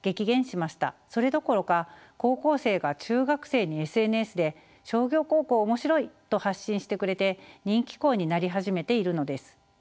それどころか高校生が中学生にＳＮＳで「商業高校面白い！」と発信してくれて人気校になり始めているのです。